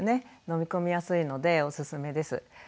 飲み込みやすいのでおすすめです。